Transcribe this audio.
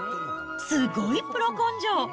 すごいプロ根性。